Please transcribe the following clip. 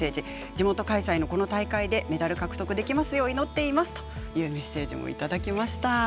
地元開催の、この大会でメダルを獲得できますよう祈っていますというメッセージもいただきました。